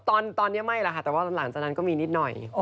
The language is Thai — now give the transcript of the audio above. ตอนนี้ไม่แหละค่ะแต่ว่าหลังจากนั้นก็มีนิดหน่อย